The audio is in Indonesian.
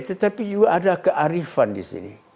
tetapi juga ada kearifan di sini